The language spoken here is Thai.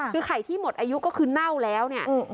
คือไข่ที่หมดอายุก็คือเน่าแล้วเนี่ย